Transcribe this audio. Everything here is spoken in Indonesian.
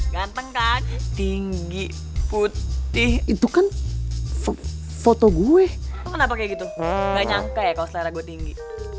gak nyangka ya kalau selera gue tinggi